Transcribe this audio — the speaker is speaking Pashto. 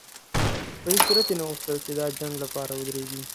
په هېڅ صورت یې نه غوښتل چې د جنګ لپاره ودرېږي.